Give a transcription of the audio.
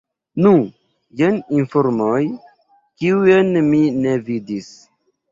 Nu, jen informoj, kiujn mi ne vidis.